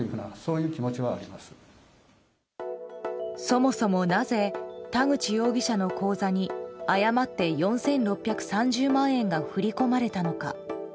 そもそもなぜ田口容疑者の口座に誤って４６３０万円が振り込まれたのか。